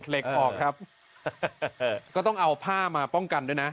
เหล็กออกครับก็ต้องเอาผ้ามาป้องกันด้วยนะ